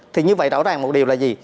thì như vậy rõ ràng một điều là gì